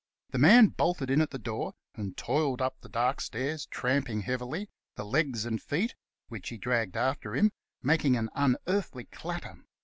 The man bolted in at the door, and toiled up the dark stairs tramping heavily, the legs and feet, which he dragged after him, making an un earthly clatter.